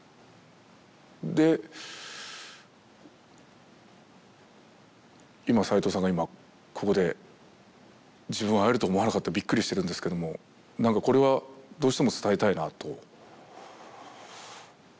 で斉藤さんが今ここで自分は会えると思わなかったびっくりしてるんですけどもなんかこれはどうしても伝えたいなと言われて。